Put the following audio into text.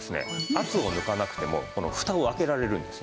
圧を抜かなくてもふたを開けられるんですね。